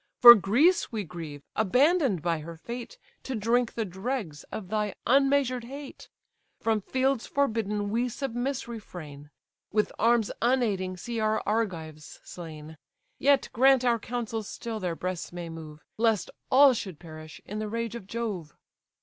For Greece we grieve, abandon'd by her fate To drink the dregs of thy unmeasured hate. From fields forbidden we submiss refrain, With arms unaiding see our Argives slain; Yet grant our counsels still their breasts may move, Lest all should perish in the rage of Jove."